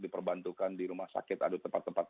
diperbantukan di rumah sakit ada tempat tempat